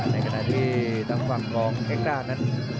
ในกระดาษที่ทั้งฝั่งรองเอ็กต้านั้น